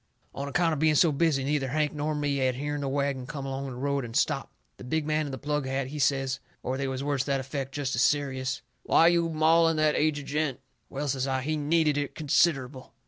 On account of being so busy, neither Hank nor me had hearn the wagon come along the road and stop. The big man in the plug hat, he says, or they was words to that effect, jest as serious: "Why are you mauling the aged gent?" "Well," says I, "he needed it considerable."